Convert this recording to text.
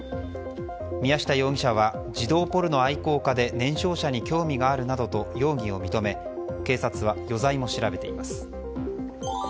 宮下容疑者は児童ポルノ愛好家で年少者に興味があるなどと容疑を認め警察は余罪も調べています。